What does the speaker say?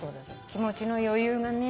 気持ちの余裕がね。